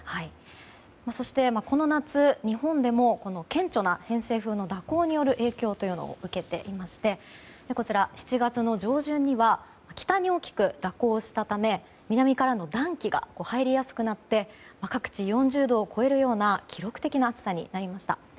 そして、この夏日本でも顕著な偏西風の蛇行による影響というのを受けていまして７月上旬には北に大きく蛇行したため南からの暖気が入りやすくなって各地４０度を超えるような記録的な暑さになりました。